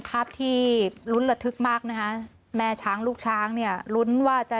ภาพที่ลุ้นระทึกมากนะคะแม่ช้างลูกช้างเนี่ยลุ้นว่าจะ